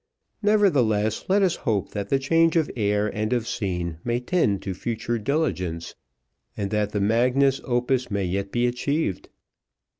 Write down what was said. Nevertheless, let us hope that the change of air and of scene may tend to future diligence, and that the magnus opus may yet be achieved.